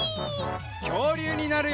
きょうりゅうになるよ！